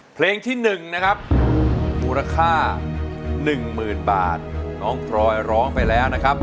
เพลงที่๑นะครับมูลค่า๑๐๐๐บาทน้องพลอยร้องไปแล้วนะครับ